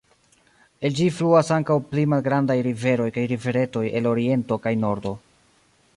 El ĝi fluas ankaŭ pli malgrandaj riveroj kaj riveretoj el oriento kaj nordo.